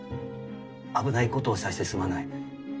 危ないことをさせてすまない。